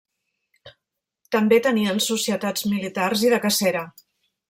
També tenien societats militars i de cacera.